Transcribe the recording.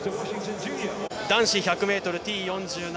男子１００ｍＴ４７